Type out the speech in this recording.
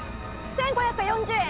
１５４０円。